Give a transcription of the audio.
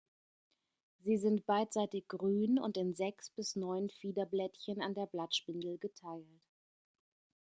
Sie sind beidseitig grün und in sechs bis neun Fiederblättchen an der Blattspindel geteilt.